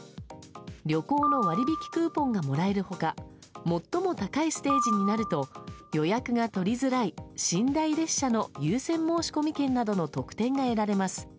旅行の割引クーポンがもらえる他最も高いステージになると予約が取りづらい寝台列車の優先申込権などの特典が得られます。